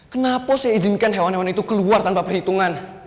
kenapa saya izinkan hewan hewan itu keluar tanpa perhitungan